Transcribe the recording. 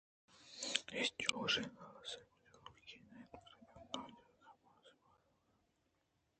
اے چوشیں حاصیں پجّاروکی ءِ نہ اَت بلئے اگاں تو جاگہے ءَ بازیں وہدگوٛازینے گڑا اود ءِ مردماں شرّپجّاروک بئے